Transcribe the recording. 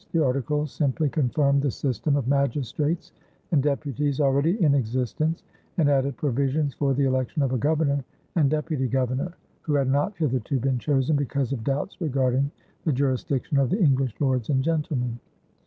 The articles simply confirmed the system of magistrates and deputies already in existence and added provisions for the election of a governor and deputy governor who had not hitherto been chosen because of doubts regarding the jurisdiction of the English lords and gentlemen.